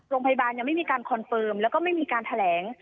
โรงพยาบาลยังไม่มีการคอนเฟิร์มแล้วก็ไม่มีการแถลง